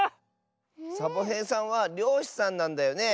サボへいさんはりょうしさんなんだよね。